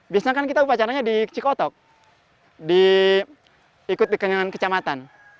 biasanya kan kita upacaranya di cikotok ikut dengan kecamatan